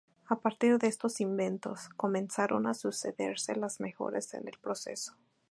A partir de estos inventos, comenzaron a sucederse las mejoras en el proceso.